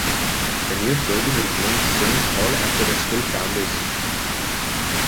The new building was named Stearns Hall, after the school founders.